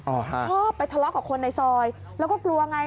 ชอบไปทะเลาะกับคนในซอยแล้วก็กลัวไง